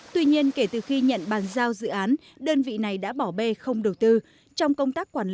tuy nhiên kể từ khi nhận bàn giao dự án đơn vị này đã bỏ bê không đầu tư